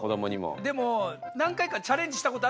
でも何回かチャレンジしたことあるんですよ。